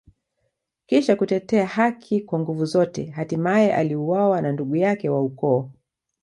Kisha kutetea haki kwa nguvu zote, hatimaye aliuawa na ndugu yake wa ukoo.